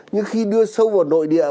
nhưng khi đưa sâu vào nội địa